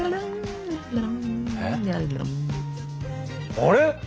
あれ？